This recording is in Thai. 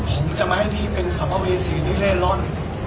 ผมจะไม่ให้พี่เป็นสามารถวีสีที่เล่นร้อน